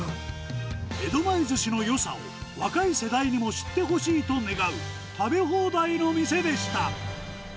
江戸前ずしのよさを若い世代にも知ってほしいと願う食べ放題の店でした。